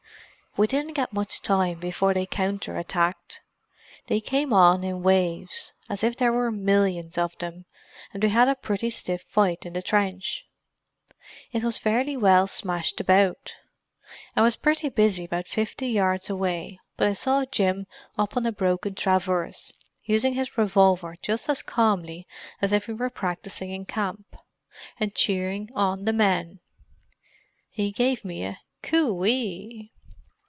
"We didn't get much time before they counter attacked. They came on in waves—as if there were millions of them, and we had a pretty stiff fight in the trench. It was fairly well smashed about. I was pretty busy about fifty yards away, but I saw Jim up on a broken traverse, using his revolver just as calmly as if he were practising in camp, and cheering on the men. He gave me a 'Coo ee!